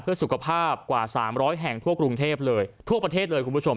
เพื่อสุขภาพกว่า๓๐๐แห่งทั่วกรุงเทพเลยทั่วประเทศเลยคุณผู้ชม